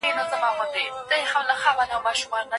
که ویښتان جوړ کړو نو ږمنځ نه ورکيږي.